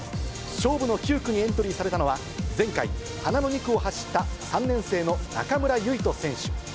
勝負の９区にエントリーされたのは前回、花の２区を走った３年生の中村唯翔選手。